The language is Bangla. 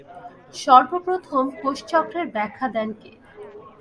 সর্বপ্রথম কোষচক্রের ব্যাখ্যা দেন কে?